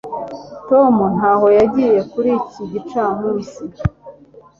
tom ntaho yagiye kuri iki gicamunsi